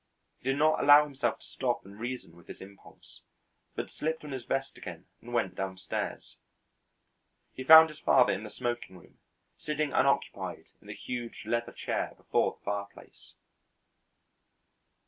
He did not allow himself to stop and reason with this impulse, but slipped on his vest again and went downstairs. He found his father in the smoking room, sitting unoccupied in the huge leather chair before the fireplace.